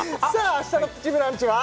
明日の「プチブランチ」は？